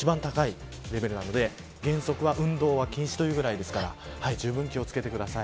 一番高いレベルなので原則は運動は禁止というぐらいですからじゅうぶん気を付けてください。